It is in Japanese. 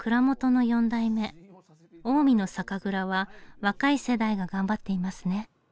近江の酒蔵は若い世代が頑張っていますね。